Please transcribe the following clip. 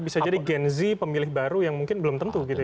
bisa jadi gen z pemilih baru yang mungkin belum tentu gitu ya